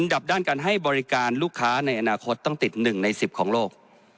กับด้านการให้บริการลูกค้าในอนาคตต้องติด๑ใน๑๐ของโลก